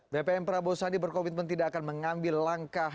bpm prabowo sandi berkomitmen tidak akan mengambil langkah